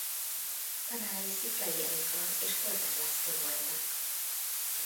Tanárai Sziklay Erika és Polgár László voltak.